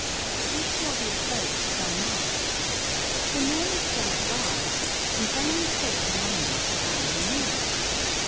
Each lovely face was unmasked, but Sir Norman's dazzled eyes in vain sought among them for one he knew.